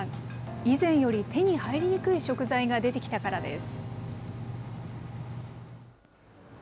以前より手に入りにくい食材が出てきたからです。